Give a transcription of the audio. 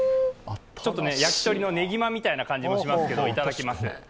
焼き鳥のねぎまみたいな感じもしますけど、いただきます。